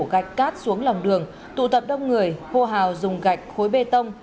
huyện khói châu đã đổ gạch cát xuống lòng đường tụ tập đông người hô hào dùng gạch khối bê tông